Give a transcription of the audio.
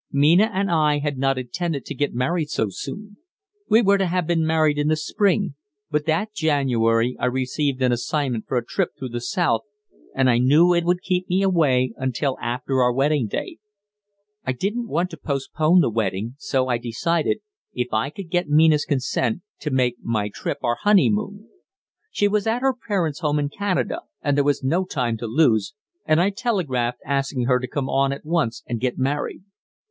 Mina and I had not intended to get married so soon. We were to have been married in the spring, but that January I received an assignment for a trip through the South, and I knew it would keep me away until after our wedding date. I didn't want to postpone the wedding, so I decided, if I could get Mina's consent, to make my trip our honeymoon. She was at her parents' home in Canada, and there was no time to lose, and I telegraphed asking her to come on at once and get married.